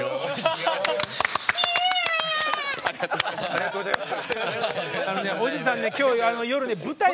ありがとうございます。